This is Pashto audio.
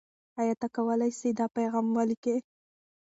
آیا ته کولای سې دا پیغام ولیکې؟